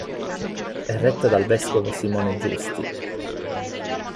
È retta dal vescovo Simone Giusti.